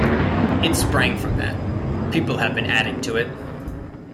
It sprang from that, people have been adding to it.